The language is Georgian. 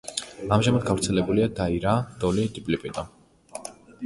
ამჟამად გავრცელებულია დაირა, დოლი, დიპლიპიტო.